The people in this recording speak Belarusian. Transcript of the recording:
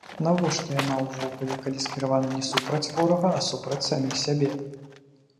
Навошта яна ўвогуле, калі скіраваная не супраць ворага, а супраць саміх сябе?